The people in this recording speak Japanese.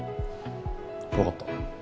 わかった。